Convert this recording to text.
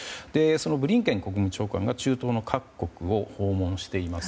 ブリンケン国務長官が中東の各国を訪問しています。